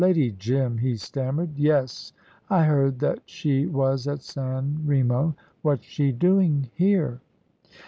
"Lady Jim," he stammered; "yes, I heard that she was at San Remo. What's she doing here?"